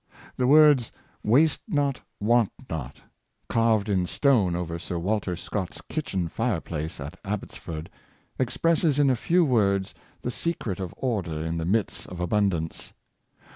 The words, " Waste not, want not," carved in stone over Sir Walter Scott's kitchen fire place at Abbotsford, expresses in a few words the se cret of order in the midst of abundance.